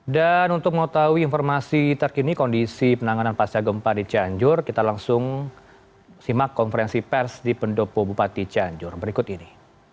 dan untuk mengetahui informasi terkini kondisi penanganan pasca gempa di cianjur kita langsung simak konferensi pers di pendopo bupati cianjur berikut ini